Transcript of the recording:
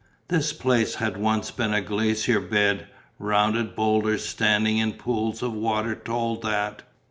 This place had once been a glacier bed, rounded boulders standing in pools of water told that.